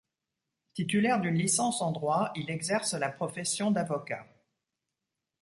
Titulaire d'une licence en droit, il exerce la profession d'avocat.